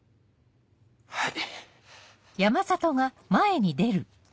はい。